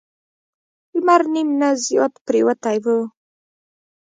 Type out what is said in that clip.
لمر نیم نه زیات پریوتی و.